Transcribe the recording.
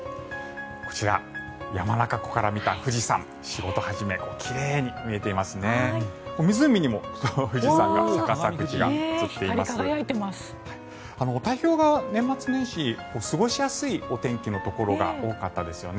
こちら、山中湖から見た富士山仕事始め奇麗に見えていますね。